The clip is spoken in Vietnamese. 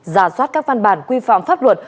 giả soát các văn bản quy phạm pháp luật